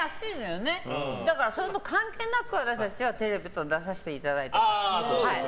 それと関係なく私たちはテレビとか出せていただいてる。